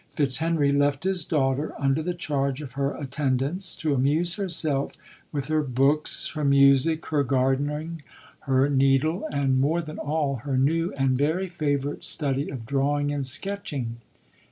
Fitzhenry left his daughter under the charge of her attendants, to amuse herself with her books, her music, her gardening, her LODORE. ft needle, and, more than all, her new and very favourite study of drawing and sketching.